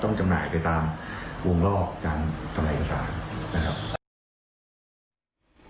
จำหน่ายไปตามวงรอบการทำลายเอกสารนะครับ